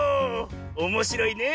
おもしろいねえ。